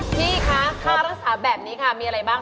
พี่คะค่ารักษาแบบนี้ค่ะมีอะไรบ้าง